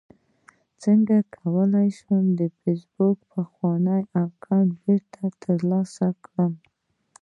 څنګه کولی شم د فېسبوک پخوانی اکاونټ بیرته ترلاسه کړم